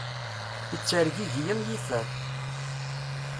Ittergigi am yifer.